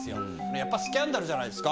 やっぱスキャンダルじゃないですか。